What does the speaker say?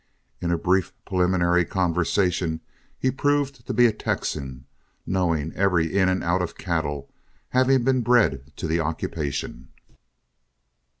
In a brief preliminary conversation, he proved to be a Texan, knowing every in and out of cattle, having been bred to the occupation.